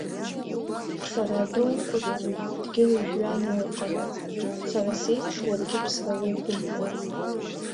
Сара адәы уқәысҵоит, дгьыли жәҩани ыҟанаҵ, сара сеиԥш, уаргьы ԥсра уқәымкәа.